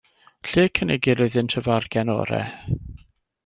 Lle y cynigir iddynt y fargen orau?